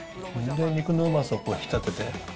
肉のうまさを引き立てて。